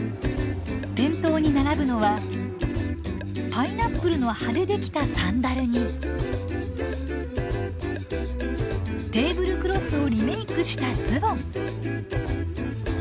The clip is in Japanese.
店頭に並ぶのはパイナップルの葉でできたサンダルにテーブルクロスをリメークしたズボン。